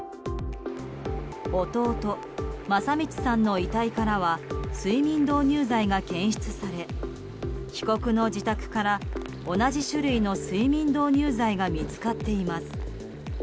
弟・聖光さんの遺体からは睡眠導入剤が検出され被告の自宅から同じ種類の睡眠導入剤が見つかっています。